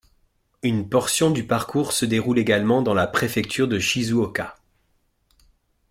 Une portion du parcours se déroule également dans la préfecture de Shizuoka.